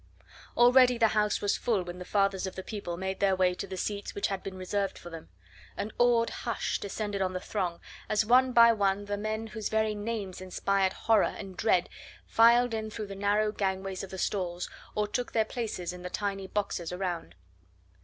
Already the house was full when the fathers of the people made their way to the seats which had been reserved for them. An awed hush descended on the throng as one by one the men whose very names inspired horror and dread filed in through the narrow gangways of the stalls or took their places in the tiny boxes around.